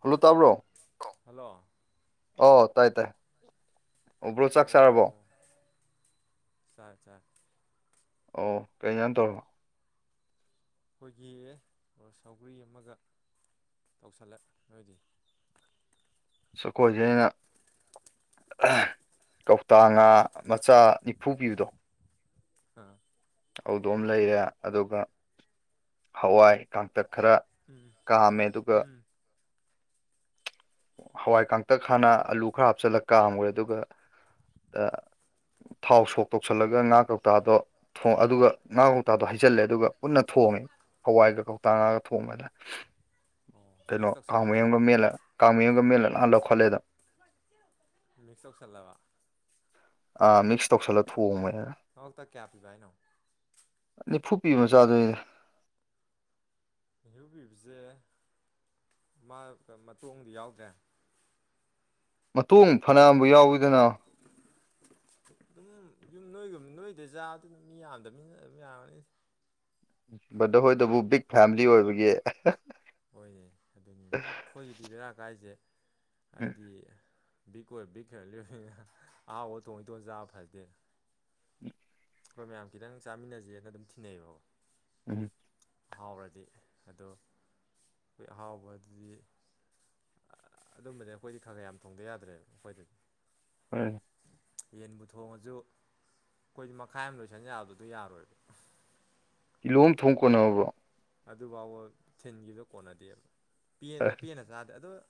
hello ꯇꯥꯕ꯭ꯔꯣ hello ꯑꯣ ꯇꯥꯏ ꯇꯥꯏ ꯎꯕ꯭ꯔꯣ ꯆꯥꯛ ꯆꯥꯔꯕꯣ ꯆꯔꯦ ꯆꯔꯦ ꯑꯣ ꯀꯩ ꯍꯤꯟꯖꯡ ꯇꯧꯔꯕ ꯑꯩꯈꯣꯏꯒꯤꯑ ꯑꯣ ꯁꯧꯒ꯭ꯔꯤ ꯑꯃꯒ ꯇꯧꯁꯜꯂ ꯅꯣꯏꯗꯤ ꯁꯈꯣꯏꯁꯦ ꯑꯩꯅ ꯀꯧꯇꯥ ꯉꯥ ꯃꯆꯥ ꯅꯤꯐꯨ ꯄꯤꯕꯗꯣ ꯑ ꯍꯧꯗꯝ ꯂꯩꯔꯦ ꯑꯗꯨꯒ ꯍꯋꯥꯏ ꯀꯥꯡꯇꯛ ꯈꯔ ꯎꯝ ꯀꯥꯝꯃꯦ ꯑꯗꯨꯒ ꯎꯝ ꯍꯋꯥꯏ ꯀꯇꯛ ꯍꯥꯟꯅ ꯑꯂꯨ ꯈꯔ ꯍꯥꯞꯆꯜꯂꯀꯥꯝꯈꯨꯔꯦ ꯑꯗꯨꯒ ꯊꯥꯎ ꯁꯣꯛ ꯇꯧꯁꯜꯂꯒ ꯉꯥ ꯀꯧꯇꯥꯗꯣ ꯊꯣꯡ ꯑꯗꯨꯒ ꯉꯥ ꯀꯧ ꯍꯧꯇꯥꯗꯣ ꯍꯩꯖꯜꯂꯦ ꯑꯗꯨꯒ ꯎꯟꯅ ꯊꯣꯡꯉꯦ ꯍꯋꯥꯏꯒ ꯀꯧꯇꯥ ꯉꯥꯒ ꯊꯣꯡꯕꯗ ꯑꯣ ꯀꯩꯅꯣ ꯃꯤꯛꯁ ꯀꯥꯡ ꯇꯧꯁꯜꯂꯕ ꯃꯌꯦꯡꯕ ꯃꯦꯜꯂ ꯀꯥꯡ ꯃꯌꯥꯡꯕ ꯃꯦꯜꯂ ꯂꯥꯛꯍꯜꯂ ꯈꯣꯠꯂꯦꯗ ꯃꯤꯛꯁ ꯇꯧꯁꯤꯜꯂꯕ ꯑꯥ ꯃꯤꯛꯁ ꯇꯧꯁꯜꯂ ꯊꯣꯡꯕꯅꯦ ꯃꯉꯛꯇ ꯀꯌꯥ ꯄꯤꯕ ꯍꯥꯏꯅꯣ ꯅꯤꯐꯨ ꯄꯤꯕ ꯃꯆꯥꯥꯗꯨꯏꯅꯤꯗ ꯅꯐꯨ ꯄꯤꯕꯖꯦ ꯃꯥ ꯃꯇꯣꯡꯗꯤ ꯌꯥꯎꯗ꯭ꯔꯦ ꯃꯇꯣꯡ ꯐꯅꯥꯝꯕꯨ ꯌꯥꯎꯋꯤꯗꯅ ꯑꯗꯨꯝ ꯌꯨꯝ ꯅꯣꯏꯒꯨꯝ ꯅꯣꯏꯗ ꯆꯥꯗꯨꯅ ꯃꯤ ꯌꯥꯝꯗ ꯃꯤꯅ ꯑꯗꯨꯝ ꯌꯥꯔꯝꯅꯤ ꯕꯔꯥꯗ ꯍꯣꯏꯗꯕꯨ ꯕꯤꯛ ꯐꯦꯝꯃꯂꯤ ꯑꯣꯏꯕꯒꯤ ꯍꯣꯏꯅꯦ ꯑꯗꯨꯅꯤꯅꯦ ꯑꯩꯈꯣꯏꯒꯤꯗꯤ ꯕꯦꯔꯥꯀꯥꯏꯖꯦ ꯎꯝ ꯍꯥꯏꯗꯤ ꯕꯤꯛ ꯀꯣꯏ ꯕꯤꯛ ꯐꯦꯝꯃꯂꯤ ꯅꯤꯅ ꯑꯍꯥꯎꯕ ꯢꯇꯣꯝ ꯏꯇꯣꯝ ꯆꯥꯕ ꯐꯗꯦꯅ ꯍꯣꯏ ꯃꯌꯥꯝ ꯈꯤꯇꯪ ꯆꯥꯃꯤꯟꯅꯁꯦꯅ ꯑꯗꯨꯝ ꯊꯤꯅꯩꯌꯦꯕꯀꯣ ꯎꯝ [unintelligible] [inaudible] ꯑꯍꯥꯎꯔꯗꯤ ꯑꯗꯣ ꯑꯩꯈꯣꯏ ꯑꯍꯥꯎꯕ ꯑꯗꯨꯗꯤ ꯑꯗꯨꯝꯕꯗꯤ ꯑꯩꯈꯣꯏꯗꯤ ꯈꯔ ꯈ ꯌꯥꯝ ꯊꯣꯡꯗ ꯌꯥꯗ꯭ꯔꯦꯕ ꯑꯩꯈꯣꯏꯗꯗꯤ ꯍꯣꯏ [unintelligible] [inaudible] ꯌꯦꯟꯕꯨ ꯊꯣꯡꯉꯁꯨ ꯑꯩꯈꯣꯏꯗꯤ ꯃꯈꯥꯏ ꯑꯃ ꯂꯣꯏꯁꯟꯖꯛꯕꯗꯣ ꯌꯥꯔꯣꯏꯕ ꯀꯂꯣꯝ ꯊꯣꯡ ꯀꯣꯟꯅꯕ ꯑꯗꯨꯐꯥꯎꯕ ꯊꯤꯟꯒꯤꯗꯣ ꯀꯣꯟꯅꯗꯦꯕ ꯄꯦꯟꯅ ꯆꯥꯗꯦ ꯑꯗꯨꯗ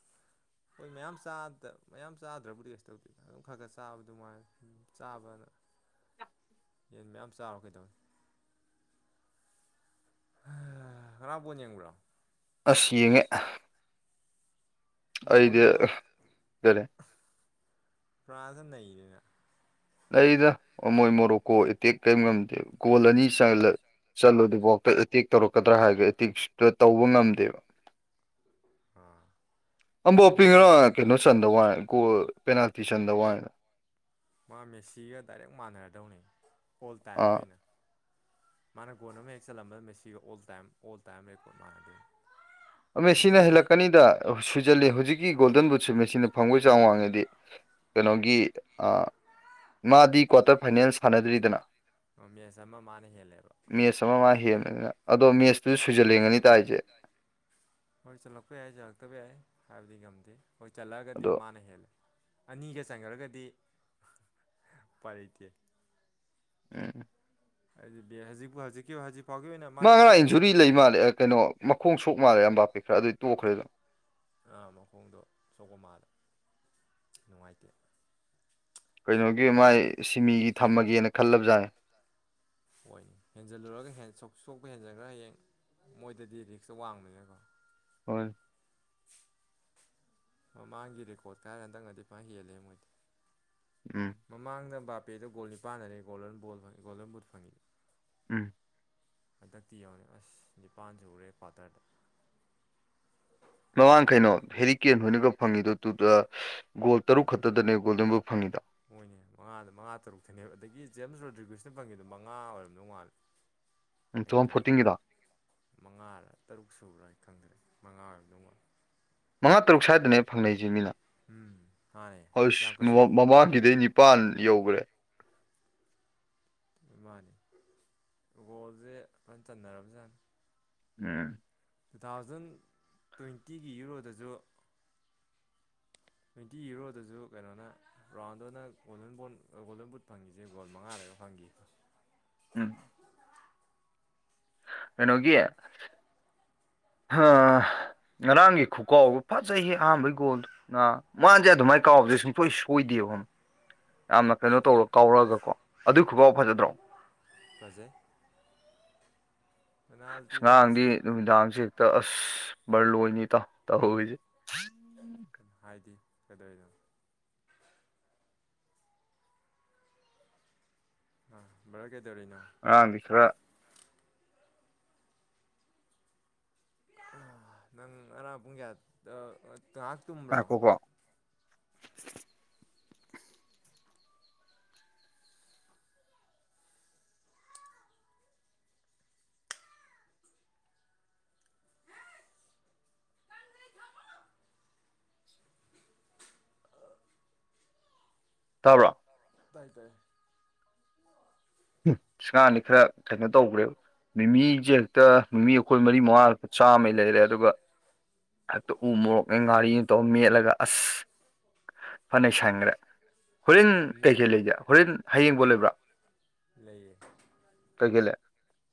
ꯍꯣꯏ ꯃꯌꯥꯝ ꯃꯌꯥꯝ ꯆꯥꯗ꯭ꯔꯕꯨꯗꯤ ꯀꯩ ꯇꯧꯗꯦ ꯑꯗꯨꯝ ꯈꯔ ꯈꯔ ꯆꯥꯕ ꯑꯗꯨ ꯃꯥꯥꯏ ꯆꯥꯕꯅ ꯌꯦꯟ ꯃꯌꯥꯝ ꯆꯥꯔꯨꯔ ꯀꯩꯗꯧꯅꯤ ꯍꯥ ꯉꯥꯔꯥꯡ ꯕꯣꯂ ꯌꯦꯕꯔꯣ ꯑꯁ ꯌꯦꯡꯉꯦ ꯑꯩꯗꯤ ꯕꯣꯟꯗ ꯀꯔꯤ ꯐꯔꯥꯟꯁꯅ ꯅꯩꯔꯦꯅꯦ ꯅꯩꯗ ꯑꯃꯣꯏ ꯃꯣꯔꯣꯛꯀꯣ ꯑꯦꯇꯦꯛ ꯀꯩꯝ ꯉꯝꯗꯦꯕ ꯒꯣꯜ ꯑꯅꯤ ꯆꯜꯂꯦ ꯆꯠꯂꯗꯨ ꯕꯋꯥꯛꯇ ꯑꯦꯇꯦꯛ ꯇꯧꯔꯛꯀꯗ꯭ꯔꯥ ꯍꯥꯏꯔ ꯑꯦꯇꯦꯛ ꯁꯨꯇꯥ ꯇꯧꯕ ꯉꯝꯗꯦꯕ ꯑꯥ ꯑꯝꯕꯣꯄꯤ ꯃꯅꯤꯡꯒꯤ ꯉꯔꯥꯡ ꯀꯩꯅꯣ ꯆꯟꯗꯋꯥꯅꯦ ꯒꯣꯜ ꯄꯦꯅꯥꯜꯇꯤ ꯆꯟꯗꯋꯥꯅꯦ ꯃꯥ ꯃꯦꯁꯤꯒ ꯗꯥꯏꯔꯦꯛ ꯃꯥꯟꯅꯔꯗꯧꯅꯤ ꯑꯣꯜ ꯇꯥꯏꯝꯒꯤ ꯑꯥ ꯑꯣꯏꯅ ꯃꯥꯅ ꯒꯣꯟ ꯑꯃ ꯍꯦꯛ ꯆꯜꯂꯝꯕꯗ ꯃꯦꯁꯤꯒ all time all time record ꯃꯥꯟꯅꯗꯣꯏꯅꯤ ꯃꯦꯁꯤ ꯃꯦꯁꯤꯅ ꯍꯧꯖꯤꯛ ꯍꯦꯜꯂꯛꯀꯅꯤꯗ ꯁꯨꯖꯜꯂꯤ ꯍꯧꯖꯤꯛꯀꯤ ꯒꯣꯜꯗꯟ ꯕꯨꯠꯁꯨ ꯃꯦꯁꯤꯅ ꯐꯪꯕꯩ ꯆꯥꯡ ꯋꯥꯡꯉꯥꯗꯤ ꯀꯩꯅꯣꯒꯤ ꯑꯥ ꯃꯥꯗꯤ ꯀ꯭ꯋꯥꯇꯔ ꯐꯥꯏꯅꯦꯜ ꯁꯥꯟꯅꯗ꯭ꯔꯤꯗꯅ ꯑꯥ ꯃꯦꯁ ꯑꯃ ꯃꯥꯅ ꯍꯦꯜꯂꯦꯕ ꯃꯤꯁ ꯑꯃ ꯃꯥ ꯍꯦꯟꯕ ꯑꯗꯣ ꯃꯦꯁ [unintelligible] ꯍꯣꯏ ꯆꯜꯂꯛꯄ ꯌꯥꯏ ꯆꯜꯂꯛꯇꯕ ꯌꯥꯏ ꯍꯥꯏꯕꯗꯤ ꯉꯝꯗꯦ ꯍꯣꯏ ꯆꯜꯂꯛꯑꯒꯗꯤ ꯑꯗꯣ ꯃꯥꯅ ꯍꯦꯜꯂꯦ ꯑꯅꯤꯒ ꯆꯟꯒꯔꯒꯗꯤ ꯎꯄꯥꯏ ꯂꯩꯇꯦ ꯎꯝ ꯑꯗꯤ ꯕꯦ ꯍꯖꯤꯄꯨ ꯍꯖꯤꯀꯤ ꯍꯖꯤꯛ ꯃꯥ ꯉꯔꯥꯡ ꯏꯟꯖꯨꯔꯤ ꯂꯩ ꯃꯥꯜꯂꯦ ꯑꯥ ꯀꯩꯅꯣ ꯃꯈꯣꯡ ꯁꯣꯛ ꯃꯥꯜꯂꯦ ꯑꯝꯕꯥꯄꯦ ꯈꯔ ꯑꯗꯨꯏ ꯇꯣꯛꯈ꯭ꯔꯦ ꯑꯗꯨꯝ ꯑꯥ ꯃꯈꯣꯡꯗꯣ ꯁꯣꯛꯄ ꯃꯥꯜꯂꯦ ꯅꯨꯡꯉꯥꯏꯇꯦ ꯀꯩꯅꯣꯒꯤ ꯃꯥ ꯃꯥꯏ ꯁꯤꯃꯤꯒꯤ ꯊꯝꯃꯒꯦꯅ ꯈꯜꯂꯕ ꯖꯥꯅꯤ ꯍꯣꯏꯅꯤ ꯍꯦꯟꯖꯜꯂꯨꯔꯒ ꯍꯦꯟ ꯁꯣꯁꯣꯛꯄ ꯍꯦꯟꯖꯟꯒꯔꯥ ꯍꯌꯦꯡ ꯃꯣꯏꯗꯗꯤ ꯔꯤꯛꯁꯇꯣ ꯋꯥꯡꯕꯅꯀꯣ ꯍꯣꯏ ꯃꯃꯥꯡꯒꯤ ꯔꯦꯀꯣꯔꯠꯇ ꯍꯥꯏꯔꯒ ꯍꯟꯗꯛꯅꯗꯤ ꯐꯥꯍꯦꯜꯂꯦ ꯃꯣꯏꯗꯤ ꯎꯝ ꯃꯃꯥꯡꯗ ꯕꯥꯄꯦꯗꯣ ꯒꯣꯜ ꯅꯤꯄꯥꯜꯗꯅꯦ ꯒꯣꯜꯗꯟ ꯕꯣꯜ ꯒꯣꯜꯗꯟ ꯕꯨꯠ ꯐꯪꯉꯤꯗꯣ ꯎꯝ ꯍꯟꯗꯛꯇꯤ ꯌꯦꯡꯉꯣꯅꯦ ꯑꯁ ꯅꯤꯄꯥꯟ ꯁꯨꯒꯔꯦ ꯀ꯭ꯋꯥꯇꯔꯗ ꯂꯨꯋꯥꯡ ꯀꯩꯅꯣ ꯍꯦꯔꯤꯀꯦꯟ ꯍꯣꯏꯅꯒ ꯐꯪꯉꯤꯗꯣ ꯇꯨꯇꯨꯑ ꯒꯣꯜ ꯇꯔꯨꯛ ꯈꯛꯇꯗꯅꯦ ꯒꯣꯜꯗꯟ ꯕꯨꯠ ꯐꯪꯉꯤꯗꯣ ꯍꯣꯏꯅꯦ ꯃꯉꯥꯗ ꯃꯉꯥ ꯇꯔꯨꯛꯇꯅꯦꯕ ꯑꯗꯒꯤ ꯖꯦꯝꯁ ꯔꯣꯗ꯭꯭ꯔꯤꯒꯨꯁꯅ ꯐꯪꯉꯤꯗꯣ ꯃꯉꯥ ꯑꯣꯏꯔꯝꯗꯧ ꯃꯥꯜꯂꯦ [unintelligible] [inaudible] ꯇꯨ ꯑꯩꯅ ꯊꯥꯎꯖꯟ ꯈꯟꯂꯦ ꯐꯣꯔꯇꯤꯟꯒꯤꯗꯣ ꯃꯉꯥꯔ ꯇꯔꯨꯛ ꯁꯨꯕ꯭ꯔꯥ ꯑꯩ ꯈꯪꯗ꯭ꯔꯦ ꯃꯉꯥ ꯑꯣꯏꯔꯝꯗꯧꯃꯥꯜꯂꯦ ꯃꯉꯥ ꯇꯔꯨꯛ ꯁ꯭ꯋꯥꯏꯗꯅꯦ ꯐꯪꯅꯩꯁꯦ ꯃꯤꯅ ꯎꯝ ꯃꯥꯅꯦ ꯑꯁ ꯌꯥꯝ ꯀꯩꯁꯨ ꯃꯃꯥꯡꯒꯤꯗꯩꯅꯤꯞ ꯄꯥꯟ ꯌꯧꯈ꯭ꯔꯦ ꯎꯝ ꯃꯥꯅꯦ ꯒꯣꯜꯁꯦ ꯐꯖꯅ ꯆꯟꯅꯔꯕꯖꯥꯠꯅꯤ ꯎꯝ ꯇꯨ ꯊꯥꯎꯖꯟ ꯇ꯭ꯋꯦꯟꯇꯤꯒꯤ ꯌꯨꯔꯣꯗꯁꯨ ꯇ꯭ꯋꯦꯟꯇꯤ ꯌꯔꯣꯗꯁꯨ ꯀꯩꯅꯣꯅ Ronaldo golden ball golden boot ꯐꯪꯉꯤꯁꯦ ꯒꯣꯜ ꯃꯉꯥ ꯗꯒ ꯐꯪꯒꯤ ꯎꯝ ꯀꯩꯅꯣꯒꯤ ꯍꯥꯑꯥ ꯉꯔꯥꯡꯒꯤ ꯈꯨꯀꯥꯎꯗꯣ ꯐꯖꯩꯍꯦ ꯑꯍꯥꯟꯕꯩ ꯒꯣꯜꯗꯣ ꯅꯥ ꯃꯥꯥꯅꯗꯤ ꯑꯗꯨꯃꯥꯏꯅ ꯀꯥꯎꯕꯁꯦ ꯁꯨꯡꯁꯣꯏ ꯁꯣꯏꯗꯦꯕ ꯈꯪꯕ ꯌꯥꯝꯅ ꯀꯩꯅꯣ ꯁꯣꯏ ꯇꯧꯔ ꯀꯥꯎꯔꯛꯑꯒꯀꯣ ꯑꯗꯨꯏ ꯈꯨꯀꯥꯎ ꯐꯖꯗ꯭ꯔꯣ ꯐꯥꯖꯩ ꯉꯥꯔꯥꯡꯗꯤ ꯅꯨꯃꯤꯗꯥꯡꯁꯦ ꯍꯦꯛꯇ ꯑꯁ ꯕꯔꯂꯣꯏꯅꯤ ꯏꯇꯥꯎ ꯇꯧꯔꯤꯖꯦ ꯎꯝ ꯍꯥꯏꯗꯤ ꯀꯩꯗꯧꯔꯤꯅꯣ ꯑꯥ ꯕꯥꯗꯔ ꯀꯩꯗꯧꯔꯤꯅꯣ ꯉꯥꯔꯥꯡꯗꯤ ꯈꯔꯥ ꯅꯪ ꯉꯔꯥꯡ ꯄꯨꯡ ꯀꯌꯥ ꯇꯨꯝꯕ꯭ꯔꯣ ꯉꯥꯢꯈꯣꯀꯣ ꯇꯥꯕ꯭ꯔꯣ ꯇꯥꯏ ꯇꯥꯏ ꯁꯥꯟꯗꯤ ꯀꯩꯅꯣ ꯈꯔ ꯇꯧꯈ꯭ꯔꯦꯕ ꯃꯤꯃꯤꯁꯦ ꯍꯦꯛꯇ ꯃꯤꯃꯤ ꯑꯩꯈꯣꯏ ꯃꯔꯤ ꯃꯉꯥ ꯍꯦꯛꯇ ꯂꯨꯄꯥ ꯆꯥꯝꯃꯩ ꯂꯩꯔꯦ ꯑꯗꯨꯒ ꯍꯛꯇ ꯎ ꯃꯣꯔꯣꯛꯅꯦ ꯉꯥꯔꯤꯅꯦ ꯇꯧꯔ ꯃꯦꯠꯂꯒ ꯑꯁ ꯐꯅ ꯅꯩꯁꯟꯈ꯭ꯔꯦ ꯍꯣꯔꯦꯟ ꯀꯩꯀꯩ ꯂꯩꯒꯦ ꯍꯣꯔꯦꯟ ꯍꯌꯦꯡ ꯕꯣꯜ ꯂꯩꯕ꯭ꯔꯥ ꯂꯩꯌꯦ ꯀꯩ ꯀꯩ ꯂꯩ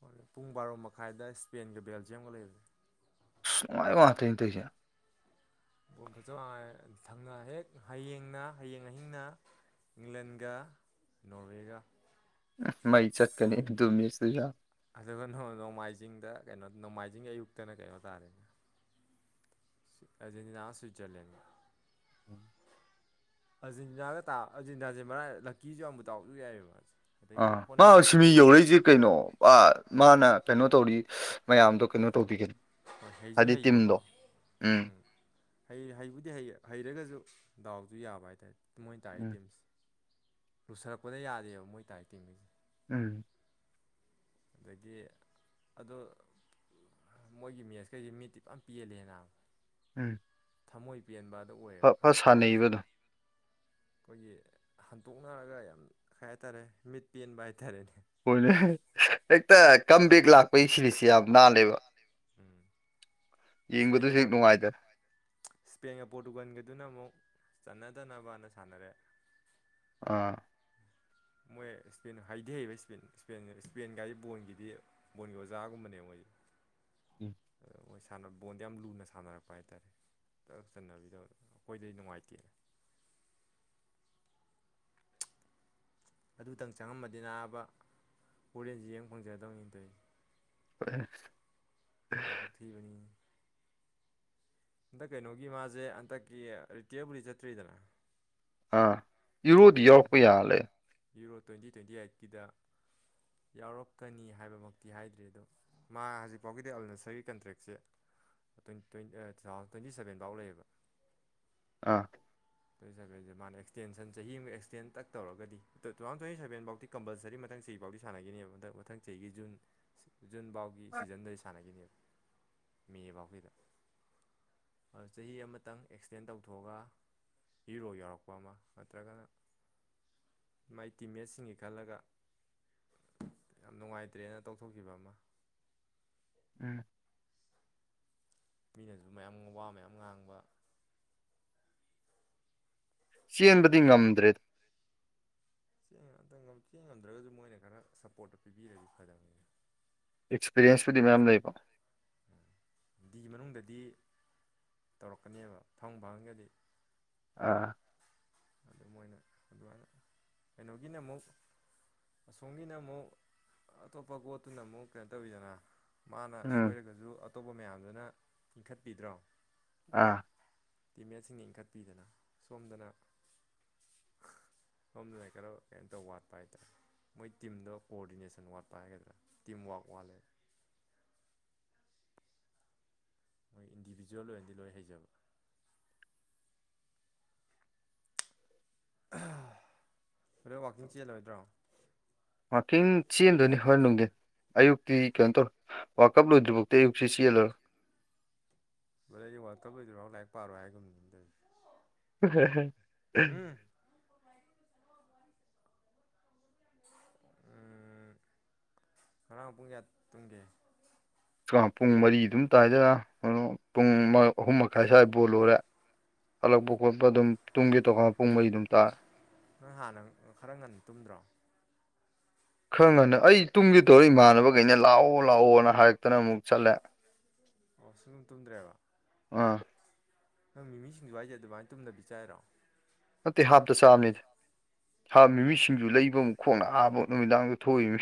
ꯍꯣꯔꯦꯟ ꯄꯨꯡ ꯕꯥꯔꯣ ꯃꯈꯥꯏꯗ ꯁ꯭ꯄꯦꯟꯒ ꯕꯦꯜꯖꯤꯌꯝꯒ ꯂꯩꯕꯅꯦ ꯑꯁ ꯅꯨꯡꯉꯥꯢꯕ ꯉꯥꯛꯇꯅꯤꯆꯦ ꯇꯧꯔꯤꯁꯦ ꯕꯣꯜ ꯐꯖꯕ ꯉꯥꯛ ꯉꯥꯢꯔꯛ ꯑꯅꯤ ꯊꯪꯅ ꯍꯦꯛ ꯍꯌꯦꯡꯅ ꯍꯌꯦꯡ ꯑꯍꯤꯡꯅ ꯏꯪꯂꯦꯟꯒ ꯅꯣꯔꯋꯦꯒ ꯃꯩ ꯆꯠꯀꯅꯤ ꯑꯗꯨꯝ ꯃꯦꯁꯇꯨꯖꯨ ꯌꯥ ꯑꯗꯨꯒ ꯅꯣꯡꯃꯥꯏꯖꯤꯡꯗ ꯀꯩꯅꯣ ꯅꯣꯡꯃꯥꯏꯖꯤꯡꯒꯤ ꯑꯌꯨꯛꯇꯅ ꯀꯩꯅꯣ ꯇꯥꯔꯦꯅꯦ ꯑꯖꯦꯟꯇꯤꯅꯥꯒ ꯁ꯭ꯋꯠꯖꯔꯂꯦꯟꯒ ꯑꯖꯤꯟꯅꯥꯒ ꯇꯥ ꯑꯖꯤꯟꯇꯤꯅꯁꯦ ꯃꯥ ꯔꯥꯢ [unintelligible] ꯂꯀꯤꯁꯨ ꯌꯥꯝꯕꯨ ꯇꯥꯎꯁꯨ ꯌꯥꯏꯑꯦ ꯃꯥꯁꯦ ꯑꯗꯩ ꯑꯥ ꯍꯣꯏ ꯃꯥ ꯍꯣꯠꯅꯕꯁꯨ ꯁꯤꯃꯤ ꯍꯩ ꯌꯧꯔꯛꯏꯁꯦ ꯀꯩꯅꯣ ꯃꯥꯅ ꯀꯩꯅꯣ ꯇꯧꯔꯤ ꯃꯌꯥꯝꯗꯣ ꯀꯩꯅꯣ ꯇꯧꯗꯦ ꯀꯩꯅꯣ ꯍꯣꯏ ꯍꯩꯁꯨ ꯍꯩꯕꯀꯣ ꯎꯝ ꯍꯩꯕꯨꯗꯤ ꯍꯩ ꯍꯩꯔꯒꯁꯨ ꯗꯥꯎꯁꯨ ꯌꯥꯕ ꯍꯥꯏꯇꯥꯔꯦ ꯃꯣꯏꯅ ꯇꯥꯛ ꯎꯝ ꯇꯤꯝꯁꯦ ꯂꯨꯁꯜꯂꯛꯄꯗ ꯌꯥꯗꯦꯕ ꯃꯣꯏ ꯇꯥꯔꯤ ꯇꯤꯝꯒꯩꯁꯦ ꯎꯝ ꯑꯗꯒꯤ ꯑꯗꯨ ꯃꯣꯏꯒꯤ ꯃꯦꯁꯈꯩꯁꯦ ꯃꯤꯠꯇꯤ ꯐꯖꯅ ꯄꯦꯜꯂꯤ ꯅꯕ ꯎꯝ ꯊꯝꯃꯣꯏ ꯄꯦꯟꯕꯗ ꯐ ꯑꯣꯏꯌꯦꯕ ꯐ ꯁꯥꯟꯅꯩꯕ ꯑꯗꯨꯝ ꯑꯩꯈꯣꯏꯒꯤ ꯍꯟꯇꯣꯛꯅꯔꯒ ꯌꯥꯝ ꯀꯩ ꯍꯥꯏꯇꯥꯔꯦ ꯃꯤꯠ ꯄꯦꯟꯕ ꯍꯥꯏꯇꯥꯔꯦꯅꯦ ꯍꯣꯏꯅꯦ ꯍꯦꯛꯇ ꯀꯝꯕꯦꯛ ꯂꯥꯛꯄꯒꯤ ꯁꯤꯔꯤꯁꯤ ꯌꯥꯝ ꯅꯥꯜꯂꯦꯕ ꯁꯄꯦꯟꯒ ꯌꯦꯡꯕꯗꯁꯨ ꯍꯦꯛ ꯄꯣꯔꯠ ꯅꯨꯡꯉꯥꯏꯗꯅ ꯏꯁꯄꯦꯟꯒ ꯄꯣꯔꯇꯨꯒꯟꯒꯗꯨꯅ ꯑꯃꯨꯛ ꯆꯟꯅꯗꯅꯕꯅ ꯑꯃꯨꯛ ꯁꯥꯟꯅꯔꯦ ꯑꯥ ꯃꯣꯏ ꯏꯁ ꯍꯩꯗꯤ ꯍꯩꯕ ꯏꯁꯄꯦꯟꯒꯥꯏꯁꯤ ꯕꯣꯟꯒꯤꯗꯤ ꯕꯣꯅꯤꯕꯖꯒꯨꯝꯕꯅꯦꯌꯉꯏꯥꯏ ꯎꯝ ꯁꯅꯕ ꯕꯣꯟꯗꯣ ꯌꯥꯝ ꯂꯨꯅ ꯁꯥꯟꯅꯔꯛꯄ ꯍꯥꯏꯇꯥꯔꯦ ꯆ ꯆꯟꯅꯕꯤꯗꯕꯗꯣ ꯑꯩꯈꯣꯏꯗꯗꯤ ꯅꯨꯡꯉꯥꯏꯇꯦ ꯑꯗꯨꯇꯪ ꯆꯪꯉꯃꯗꯤ ꯑꯅꯥꯕ ꯍꯣꯔꯦꯟꯁꯤ ꯌꯦꯡꯕ ꯐꯪꯖꯗꯧꯅꯤ ꯇꯧꯁꯦ ꯍꯣꯏ ꯂꯥꯏꯕꯨꯛ ꯊꯕꯅꯤ ꯍꯟꯗꯛ ꯀꯩꯅꯣꯒꯤ ꯃꯥꯁꯦ ꯍꯟꯗꯛꯀꯤ ꯔꯤꯇꯤꯌꯔꯕꯨꯗꯤ ꯆꯠꯇ꯭ꯔꯤꯗꯅ ꯑꯥ ꯏꯔꯨꯗꯤ ꯑꯗꯣ ꯌꯥꯎꯔꯛꯄ ꯌꯥꯅ ꯂꯩ ꯌꯨꯔꯣ ꯇ꯭ꯋꯦꯟꯇꯤ ꯇ꯭ꯋꯦꯟꯇꯤ ꯑꯥꯏꯠꯀꯤꯗ ꯌꯥꯎꯔꯛꯀꯅꯤ ꯍꯥꯏꯕꯃꯛꯇꯤ ꯍꯥꯏꯗ꯭ꯔꯤ ꯑꯗꯣ ꯃꯥ ꯍꯧꯖꯤꯛꯐꯥꯎꯒꯤꯗꯤ ꯑꯜ ꯅꯁꯔꯒꯤ ꯀꯟꯇ꯭ꯔꯦꯛꯁꯦ ꯇꯣꯏꯟ ꯇꯨ ꯊꯥꯎꯖꯟ ꯇꯋꯦꯟꯇꯤ ꯁꯚꯦꯟ ꯐꯥꯎ ꯂꯩꯌꯦꯕ ꯑꯥ ꯇ꯭ꯋꯦꯟꯇꯤ ꯁꯚꯦꯟꯁꯦ ꯃꯥꯅ ꯑꯦꯛꯁꯇꯦꯟꯁꯟ ꯆꯍꯤ ꯑꯃꯒ ꯑꯦꯛꯁꯇꯦꯟ ꯇꯛ ꯇꯧꯔꯒꯗꯤ ꯇꯨꯊꯥꯎꯖꯟ ꯇ꯭ꯋꯦꯟꯇꯤ ꯁꯚꯦꯟ ꯐꯥꯎꯗꯤ ꯀꯝꯄꯜꯁꯔꯤ ꯃꯊꯪ ꯆꯍꯤ ꯐꯥꯎꯗꯤ ꯁꯥꯟꯅꯈꯤꯅꯦꯕꯊ ꯃꯊꯪ ꯆꯍꯤꯒꯤ ꯖꯨꯟ ꯖꯨꯟꯐꯥꯎꯒꯤ ꯁꯤꯖꯟꯗꯩ ꯁꯥꯟꯅꯈꯤꯅꯦꯕ ꯃꯦ ꯐꯥꯎꯁꯤꯗ ꯑꯗꯨ ꯆꯍꯤ ꯑꯃꯇꯪ ꯑꯦꯛꯁꯇꯦꯟ ꯇꯧꯊꯣꯛꯑꯒ ꯍꯤꯔꯣ ꯌꯥꯎꯔꯛꯄ ꯑꯃ ꯅꯠꯇ꯭ꯔꯒꯅ ꯃꯥꯏ ꯇꯤꯝꯃꯦꯠꯁꯤꯡꯒꯤ ꯈꯜꯂꯒ ꯌꯥꯝ ꯅꯨꯡꯉꯥꯏꯇ꯭ꯔꯦꯅ ꯇꯧꯊꯣꯛꯈꯤꯕ ꯑꯃ ꯎꯝ ꯃꯤꯅꯁꯨ ꯃꯌꯥꯝ ꯋꯥ ꯃꯌꯥꯝ ꯉꯥꯡꯕ ꯆꯦꯟꯕꯗꯤ ꯉꯝꯗ꯭ꯔꯦ ꯆꯦꯡ ꯑꯇ ꯆꯦꯡ ꯉꯝꯗ꯭ꯔꯒꯁꯨ ꯃꯣꯏꯅ ꯈꯔ ꯁꯞꯄꯣꯔꯠꯇꯣ ꯄꯤꯕꯤꯔꯗꯤ ꯐꯗꯝꯕꯅꯤꯅ ꯑꯦꯛꯁꯄꯤꯔꯤꯌꯦꯟꯁꯄꯨꯗꯤ ꯃꯌꯥꯝ ꯂꯩꯕ ꯅꯨꯡꯗꯤ ꯃꯅꯨꯡꯗꯗꯤ ꯇꯧꯔꯛꯀꯅꯦꯕ ꯐꯪ ꯐꯪꯒꯗꯤ ꯑꯥ ꯑꯗꯨ ꯃꯣꯏꯅ ꯑꯗꯨꯃꯥꯏꯅ ꯀꯩꯅꯣꯒꯤꯅ ꯑꯃꯨꯛ ꯑꯁꯣꯝꯒꯤꯅ ꯑꯃꯨꯛ ꯑꯇꯣꯞꯄ ꯒꯣꯠꯇꯨꯅ ꯑꯃꯨꯛ ꯀꯩꯅꯣ ꯇꯧꯤꯗꯅ ꯃꯥꯅ ꯎꯝ ꯁꯣꯏꯔꯒꯁꯨ ꯑꯇꯣꯞꯄ ꯃꯌꯥꯝꯗꯨꯅ ꯏꯟꯈꯠꯄꯤꯗ꯭ꯔꯣ ꯑꯥ ꯇꯤꯝꯃꯦꯠꯁꯤꯡꯅ ꯏꯟꯈꯠꯄꯤꯗꯅ ꯁꯣꯝꯗꯅ ꯁꯣꯝꯗꯨꯅ ꯀꯩꯅꯣ ꯀꯩꯝꯇ ꯋꯥꯠꯄ ꯍꯥꯏꯇꯥꯔꯦ ꯃꯣꯏ ꯇꯤꯝꯗ ꯀꯣꯑꯣꯗꯤꯅꯦꯁꯟ ꯋꯥꯠꯄ ꯍꯥꯏꯒꯗ꯭ꯔꯥ ꯇꯤꯝ ꯋꯥꯛ ꯋꯥꯠꯂꯦ ꯃꯣꯏ ꯏꯟꯗꯤꯕꯤꯖꯨꯋꯦꯜ ꯑꯣꯏꯅꯗꯤ ꯂꯣꯏ ꯍꯩꯖꯕ ꯍꯣꯔꯦꯟ ꯋꯥꯛꯀꯤꯡ ꯆꯦꯜꯂꯣꯏꯗ꯭ꯔꯣ ꯋꯥꯔꯀꯤꯡ ꯆꯦꯟꯗꯣꯏꯅꯤ ꯍꯣꯔꯦꯟ ꯅꯨꯡꯊꯤꯟ ꯑꯌꯨꯛꯇꯤ ꯀꯩꯅꯣ ꯇꯧꯔ ꯋꯥꯔ ꯀꯞ ꯂꯣꯏꯗ꯭ꯔꯤꯐꯥꯎꯤ ꯑꯌꯨꯛꯁꯤ ꯆꯦꯜꯂꯣꯏ ꯗ ꯑꯩ ꯋꯥꯜꯀꯞ ꯑꯣꯏꯗꯨꯣꯏꯔꯥꯎ ꯂꯥꯏꯔꯤꯛ ꯄꯥꯔꯣ ꯍꯥꯏꯒꯨꯝꯗꯨ ꯑꯗꯨꯝꯇꯔꯗꯤ ꯍ ꯉꯔꯥꯡ ꯄꯨꯡ ꯀꯌꯥ ꯇꯨꯡꯒꯦ ꯄꯨꯡ ꯃꯔꯤ ꯑꯗꯨꯝ ꯇꯥꯏꯗꯔ ꯄꯨꯡ ꯑꯍꯨꯝ ꯅꯪ ꯃꯈꯥꯏ ꯁ꯭ꯋꯥꯏ ꯕꯣꯜ ꯂꯔꯦ ꯍꯜꯂꯛꯄ ꯈꯣꯠꯄ ꯑꯗꯨꯝ ꯇꯨꯡꯒꯤꯦ ꯇꯣꯈꯥ ꯄꯨꯡꯕꯩ ꯑꯗꯨꯝ ꯇꯥꯛ ꯅꯣꯏ ꯍꯥꯟꯅ ꯈꯔ ꯉꯟ ꯇꯨꯝꯗ꯭ꯔꯣ ꯈꯪꯉꯅꯤ ꯑꯩ ꯇꯨꯡꯒꯤ ꯇꯧꯔ ꯏꯃꯥꯟꯅꯕꯈꯩꯅ ꯂꯥꯛꯑꯣ ꯂꯥꯛꯑꯣꯅ ꯍꯥꯏꯔꯛ ꯈꯛꯇꯅ ꯑꯃꯨꯛ ꯆꯠꯂꯦ ꯑꯣ ꯁꯨꯡꯇꯨꯝ ꯇꯨꯝꯗ꯭ꯔꯦꯕ ꯑꯥ ꯅꯪ ꯃꯤꯃꯤꯁꯤꯡꯁꯨ ꯍꯥꯏꯏꯁꯦ ꯑꯗꯨꯃꯥꯏꯅ ꯇꯨꯝꯅꯕꯤ ꯆꯥꯏꯔꯣ ꯅꯠꯇꯇꯩ ꯍꯥꯞꯇ ꯆꯥꯝꯃꯤ ꯁꯥ ꯃꯤꯃꯤꯁꯤꯡꯁꯨ ꯂꯩꯕ ꯑꯃꯨꯛ ꯈꯣꯡꯅ ꯑꯥꯕ ꯅꯨꯃꯤꯗꯥꯡꯗ ꯊꯣꯛꯏꯃꯤ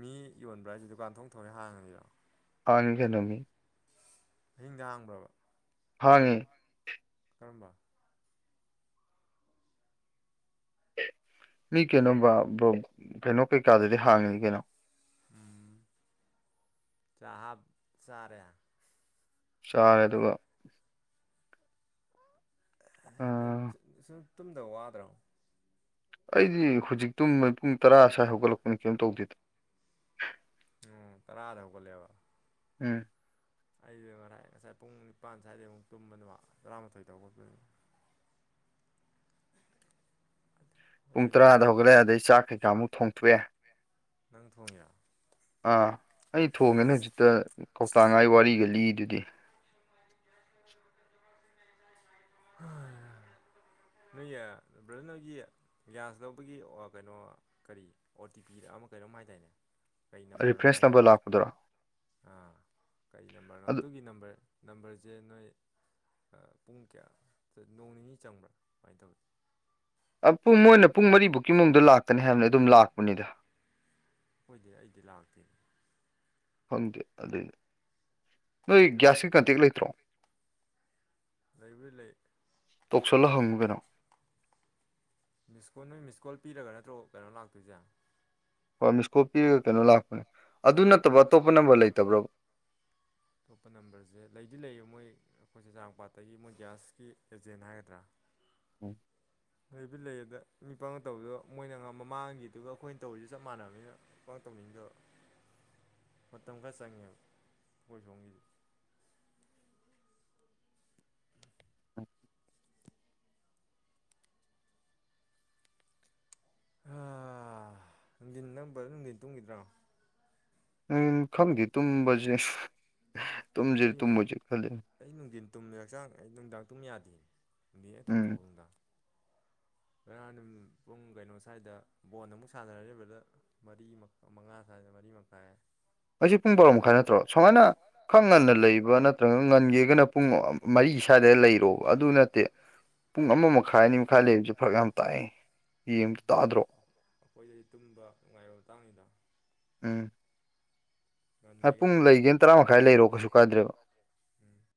ꯃꯤ ꯌꯣꯟꯕ꯭ꯔꯥ ꯍꯥꯏꯁꯦ ꯗꯨꯀꯥꯟ ꯊꯣꯛꯣꯡ ꯊꯣꯡꯅꯦ ꯍꯥꯡꯉꯅꯤꯔꯣ ꯐꯪꯉꯤ ꯀꯩꯅꫭ ꯃꯤ ꯑꯍꯤꯡꯗꯥ ꯍꯥꯡꯕ꯭ꯔꯕ ꯍꯪꯉꯦ ꯀꯔꯝꯕ ꯅ ꯀꯩꯅꯣ ꯑꯣ [unintelligible] ꯀꯩꯅꯣ ꯀꯩꯀꯥꯗꯨꯗꯤ ꯍꯥꯡꯉꯤ ꯀꯩꯅꯣ ꯎꯝ ꯆꯞ ꯆꯥꯔꯦ ꯆꯥꯔꯦ ꯑꯗꯨꯒ ꯅ ꯑꯥ ꯁꯨꯝ ꯇꯨꯝꯗꯕ ꯋꯥꯗ꯭ꯔꯣ ꯑꯩꯗꯤ ꯍꯧꯖꯤꯛꯇꯨ ꯄꯨꯡ ꯇꯔꯥ ꯁ꯭ꯋꯥꯏ ꯍꯧꯒꯠꯂꯛꯄꯅꯤ ꯀꯩꯝ ꯇꯧꯗꯦꯗ ꯎꯝ ꯇꯔꯥꯗ ꯍꯧꯒꯠꯂꯦꯕ ꯎꯝ ꯑꯩꯁ ꯉꯔꯥꯏ ꯉꯁꯥꯏ ꯄꯨꯡ ꯅꯤꯄꯥꯟ ꯁ꯭ꯋꯥꯏꯗꯩ ꯑꯃꯨꯛ ꯇꯨꯝꯕꯅꯦꯕ ꯇꯔꯥꯃꯥꯊꯣꯏ ꯇꯧꯒꯛꯇꯣꯏꯅꯤ ꯄꯨꯡ ꯍꯣꯔꯦꯟꯗꯤ ꯇꯔꯥꯗ ꯍꯣꯔꯦꯟ ꯍꯧꯒꯠꯂꯛꯑꯦ ꯑꯗꯩ ꯆꯥꯛ ꯀꯩꯀꯥꯃꯨꯛ ꯊꯣꯡꯊꯣꯛꯑꯦ ꯅꯪ ꯊꯣꯡꯉꯤꯔꯣ ꯑꯥ ꯑꯩ ꯊꯣꯡꯉꯦꯅꯦ ꯍꯧꯖꯤꯛꯇ ꯀꯧꯇꯥꯛꯉꯥꯏ ꯋꯥꯔꯤꯒ ꯂꯤꯗꯨꯗꯤ ꯍꯣꯏ [unintelligible] ꯅꫭꯏꯒꯤ ꯕ꯭ꯔꯗꯔ ꯅꫭꯏꯒꯤ ꯒ꯭ꯌꯥꯁ ꯂꯧꯕꯒꯤ ꯀꯩꯅꯣ ꯀꯔꯤ ꯑꯣ ꯇꯤ ꯄꯤ ꯑꯃ ꯀꯩꯅꯣꯝ ꯍꯥꯏꯗꯥꯏꯅꯦ ꯀꯩ ꯅꯝꯕꯔꯅꯣꯃꯥ ꯔꯤꯐ꯭ꯔꯦꯟꯁ ꯅꯝꯕꯔ ꯍꯥꯏꯗꯥꯏꯅ‌ꯦ ꯂꯥꯛꯄꯗꯨꯔꯣ ꯑꯥ ꯀꯩ ꯅꯝꯕꯔꯅꯣ ꯑꯗꯨ ꯑꯗꯨꯒꯤ ꯅꯝꯕꯔ ꯅꯝꯕꯔꯁꯦ ꯅꯣꯏ ꯑꯥ ꯄꯨꯡ ꯀꯌꯥ ꯅꯣꯡ ꯅꯤꯅꯤ ꯆꯪꯕ꯭ꯔꯥ ꯀꯃꯥꯏꯅ ꯇꯧꯋꯤ ꯄꯨꯡ ꯃꯣꯏꯅ ꯄꯨꯡ ꯃꯔꯤꯕꯨꯛꯀꯤ ꯃꯅꯨꯡꯗ ꯂꯥꯛꯀꯅꯤ ꯍꯥꯏꯕꯅꯤ ꯑꯗꯨꯝ ꯂꯥꯛꯄꯅꯤꯗ ꯑꯈꫭꯏꯗꯤ ꯑꯩꯗꯤ ꯂꯥꯛꯇꯦ ꯐꯪꯗꯦ ꯑꯗꯩꯏꯗꯤ ꯅꯣꯏ ꯐꯣꯟ ꯒ꯭ꯌꯥꯁꯀꯤ ꯀꯟꯇꯦꯛ ꯂꯩꯇ꯭ꯔꯣ ꯂꯩꯕꯨꯗꯤ ꯂꯩ ꯇꯧꯁꯜꯂꯍꯪꯉꯨ ꯀꯩꯅꯣ ꯃꯤꯁꯀꯣꯜ ꯅꯣꯏ ꯃꯤꯁꯀꯣꯜ ꯄꯤꯔꯒ ꯅꯠꯇ꯭ꯔꯣ ꯀꯩꯅꯣ ꯂꯥꯛꯇꯣꯏꯁꯦ ꯍꯣꯔꯃꯤꯁꯀꯣꯞ ꯄꯤꯔꯒ ꯀꯩꯅꯣ ꯂꯥꯛꯄꯅꯦ ꯑꯗꯨ ꯅꯠꯇꯕ ꯑꯇꯣꯞꯄ ꯅꯝꯕꯔ ꯂꯩꯇꯕ꯭ꯔꯣ ꯑꯇꯣꯞꯄ ꯅꯝꯕꯔꯁꯦ ꯂꯩꯗꯤ ꯂꯩꯌꯦ ꯃꯣꯏ ꯑꯩꯈꯣꯏꯁꯤ ꯆꯦꯖꯥꯛꯄꯥꯠꯇꯒꯤ ꯃꯣꯏ ꯒ꯭ꯌꯥꯁꯀꯤ ꯑꯦꯖꯦꯟ ꯍꯥꯏꯒꯗ꯭ꯔꯥ ꯎꯝ [inaudible] ꯂꯩꯕꯤ ꯂꯩ ꯑꯗ ꯅꯤꯄꯃꯥ ꯇꯧꯕꯗꯣ ꯃꯣꯏꯅ ꯃꯃꯥꯡꯒꯤꯗꯨꯒ ꯑꯩꯈꯣꯏꯅ ꯇꯧꯔꯤꯁꯦ ꯆꯞ ꯃꯥꯟꯅꯕꯅꯤꯅ ꯄꯥꯛ ꯇꯧꯅꯤꯡꯗꯕ ꯃꯇꯝ ꯈꯔ ꯆꯪꯉꯦꯕ ꯑꯈꫭꯏ ꯁꯣꯝꯒꯤꯗꯤ ꯅꯨꯡꯊꯤꯟ ꯅꯪ ꯕ꯭ꯔꯗꯔ ꯅꯨꯡꯊꯤꯟ ꯇꯨꯝꯈꯤꯗ꯭ꯔꯣ ꯎꯝ ꯈꯪꯗꯦ ꯇꯨꯝꯕꯁꯦ ꯇꯨꯝꯁꯤꯔꯥ ꯑꯩ ꯇꯨꯝꯃꯥꯏꯖꯤꯔꯥ ꯈꯜꯂꯤꯃꯤ ꯑꯩ ꯅꯨꯡꯊꯤꯟ ꯇꯨꯝꯃꯦ ꯍꯛꯆꯥꯡ ꯑꯩ ꯅꯨꯡꯗꯥꯡ ꯇꯨꯝ ꯌꯥꯗꯦ ꯅꯨꯡꯊꯤꯟ ꯍ‌ꯦꯛ ꯎꯝ ꯇꯨꯝꯊꫭꯛꯎꯕꯗ ꯅꯨꯡꯗꯥꯡ ꯉꯔꯥꯡ ꯅꯨꯃꯤꯠ ꯄꯨꯡ ꯀꯩꯅꯣ ꯁ꯭ꯋꯥꯏꯗ ꯕꯣꯜ ꯑꯃꯨꯛ ꯁꯥꯟꯅꯔ‌ꯦ ꯕ꯭ꯔꯗꯔ ꯃꯔꯤ ꯃꯉꯥ ꯁ꯭ꯋꯥꯏꯗꯥ ꯃꯔꯤ ꯃꯈꯥꯏ ꯑꯩꯁꯦ ꯄꯨꯡ ꯕꯥꯔꯣ ꯃꯈꯥꯏ ꯅꯠꯇ꯭ꯔꯣ ꯁꯨꯃꯥꯏꯅ ꯈꯔꯥ ꯉꯟꯅ ꯂꯩꯕ ꯅꯠꯇ꯭ꯔꯒꯅ ꯉꯟꯒꯦꯒꯅ ꯄꯨꯡ ꯃꯔꯤ ꯁ꯭ꯋꯥꯏꯗ ꯂꯩꯔꯣꯕ ꯑꯗꯨ ꯅꯠꯇꯦ ꯄꯨꯡ ꯑꯃ ꯃꯈꯥꯏ ꯑꯅꯤ ꯃꯈꯥꯏ ꯂꯩꯕꯁꯤ ꯐꯔꯛ ꯌꯥꯝ ꯇꯥꯏꯌ‌ꯦ ꯑꯩꯈꯣꯏꯗꯗꯤ ꯇꯨꯝꯕ ꯅꯨꯡꯉꯥꯏꯕ ꯃꯇꯥꯡꯅꯤꯗꫭ ꯎꯝ ꯑꯥ ꯉꯟꯒꯦꯒꯅ ꯄꯨꯡ ꯉꯟꯅ ꯂꯩꯒꯦꯅ ꯇꯔꯥ ꯃꯈꯥꯏ ꯂꯩꯔꯣ ꯀꯩꯁꯨ ꯀꯥꯏꯗ꯭ꯔꯦꯕ ꯎꯝ